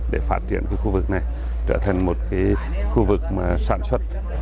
để phát triển khu vực này trở thành một khu vực sản xuất